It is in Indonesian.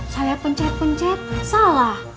saya pencet pencet salah